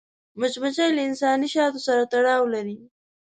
مچمچۍ له انساني شاتو سره تړاو لري